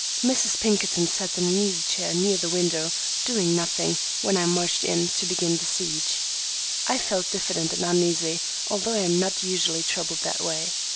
Mrs. Pinkerton sat in an easy chair near the window, doing nothing, when I marched in to begin the siege. I felt diffident and uneasy, although I am not usually troubled that way.